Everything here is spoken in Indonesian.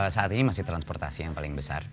saat ini masih transportasi yang paling besar